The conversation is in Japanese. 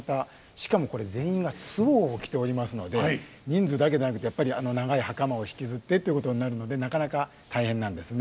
しかもこれ全員が素袍を着ておりますので人数だけでなくてやっぱりあの長い袴を引きずってということになるのでなかなか大変なんですね。